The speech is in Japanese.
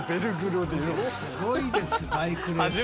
すごいですバイクレース。